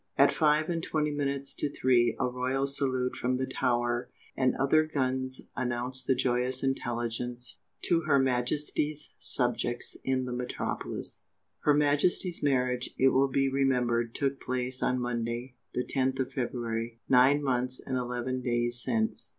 At five and twenty minutes to three a royal salute from the Tower and other guns announced the joyous intelligence to her Majesty's subjects in the metropolis. Her Majesty's marriage, it will be remembered, took place on Monday, the 10th of February, nine months and eleven days since.